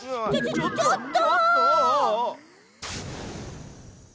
ちょっと！